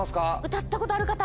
歌ったことある方？